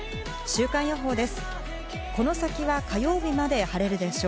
週間予報です。